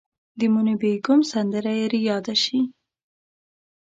د موني بیګم سندره یې ریاده شي.